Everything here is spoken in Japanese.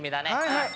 はい。